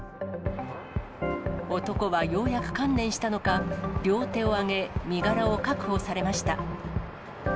男はようやく観念したのか、両手を挙げ、身柄を確保されました。